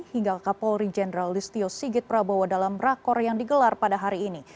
hingga kapolri jenderal listio sigit prabowo dalam rakor yang digelar pada hari ini